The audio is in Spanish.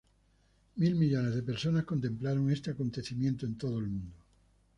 Mil millones de personas contemplaron este acontecimiento en todo el mundo.